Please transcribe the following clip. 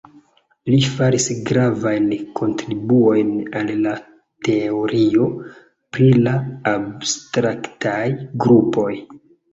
Li faris gravajn kontribuojn al la teorio pri la abstraktaj grupoj.